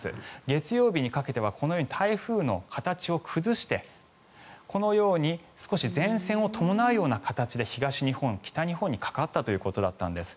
月曜日にかけてはこのように台風の形を崩してこのように少し前線を伴うような形で東日本、北日本にかかったということだったんです。